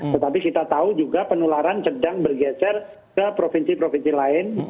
tetapi kita tahu juga penularan sedang bergeser ke provinsi provinsi lain